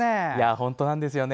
本当なんですよね。